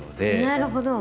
なるほど！